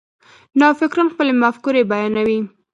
نوفکران خپلې مفکورې بیانوي.